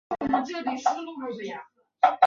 该剪辑版与原版比起评价较佳。